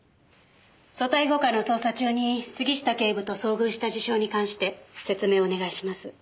組対５課の捜査中に杉下警部と遭遇した事象に関して説明をお願いします。